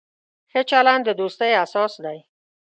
ښه چلند د دوستۍ اساس دی.